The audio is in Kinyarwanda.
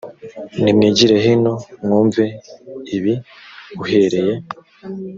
nimwigire hino mwumve ibi uhereye